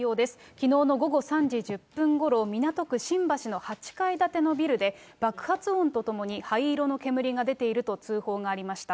きのうの午後３時１０分ごろ、港区新橋の８階建てのビルで、爆発音とともに灰色の煙が出ていると通報がありました。